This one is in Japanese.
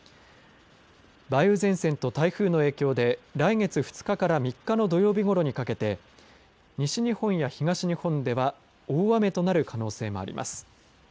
梅雨前線と台風の影響で来月２日から３日の土曜日ごろにかけて西日本や東日本では大雨となる可能性もあります。